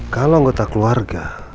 kalau anggota keluarga